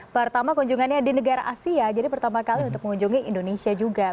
pertama kunjungannya di negara asia jadi pertama kali untuk mengunjungi indonesia juga